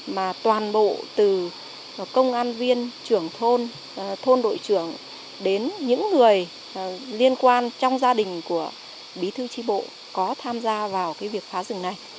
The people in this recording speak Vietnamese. mà toàn bộ từ công an viên trưởng thôn thôn thôn đội trưởng đến những người liên quan trong gia đình của bí thư tri bộ có tham gia vào cái việc phá rừng này